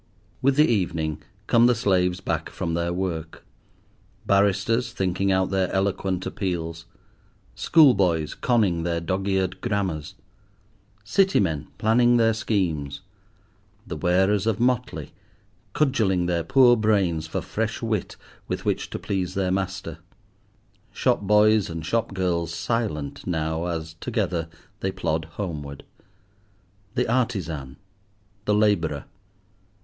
With the evening come the slaves back from their work: barristers, thinking out their eloquent appeals; school boys, conning their dog eared grammars; City men, planning their schemes; the wearers of motley, cudgelling their poor brains for fresh wit with which to please their master; shop boys and shop girls, silent now as, together, they plod homeward; the artisan; the labourer.